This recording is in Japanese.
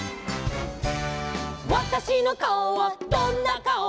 「わたしのかおはどんなかお」